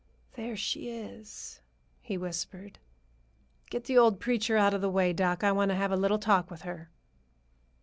"There she is," he whispered. "Get the old preacher out of the way, doc. I want to have a little talk with her."